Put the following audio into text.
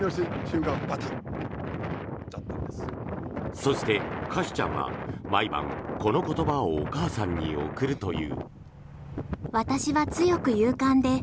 そして、カシュちゃんは毎晩、この言葉をお母さんに送るという。